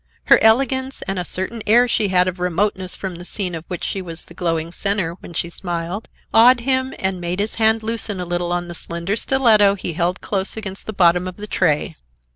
Her elegance and a certain air she had of remoteness from the scene of which she was the glowing center when she smiled, awed him and made his hand loosen a little on the slender stiletto he held close against the bottom of the tray.